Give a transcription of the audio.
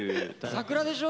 桜でしょ？